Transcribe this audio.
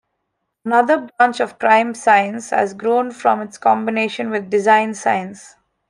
Another branch of crime science has grown from its combination with design science.